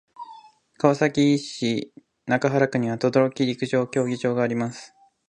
川崎市中原区には等々力陸上競技場があります。